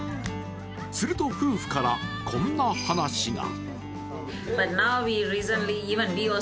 すると夫婦から、こんな話が。